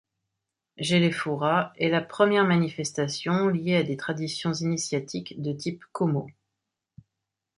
Jelefura est la première manifestation liée à des traditions initiatiques de type Komo.